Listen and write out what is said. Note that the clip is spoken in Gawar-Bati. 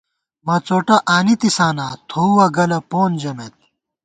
مڅوٹہ آنِتِساں نا ، تھوَہ گلہ پون ژَمېت